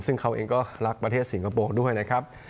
ซึ่งเขาเองก็รักประเทศสิงคโปร์ด้วยนะครับ